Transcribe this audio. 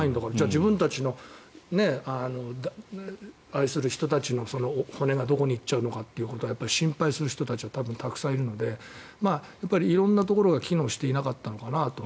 自分たちの愛する人たちの骨がどこに行っちゃうのか心配する人たちは多分、たくさんいるので色んなところが機能していなかったのかなと。